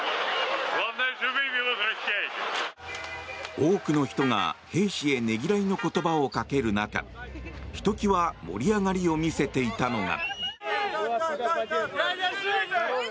多くの人が兵士へねぎらいの言葉をかける中ひときわ盛り上がりを見せていたのが。